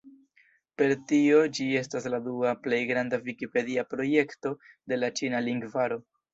Per tio ĝi estas la dua plej granda vikipedia projekto de la ĉina lingvaro.